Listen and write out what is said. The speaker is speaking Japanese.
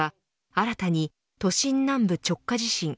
新たに都心南部直下地震